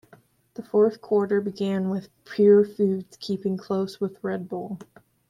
The fourth quarter began with Purefoods keeping close with Red Bull.